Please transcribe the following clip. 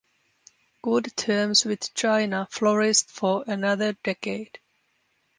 Good terms with China flourished for another decade.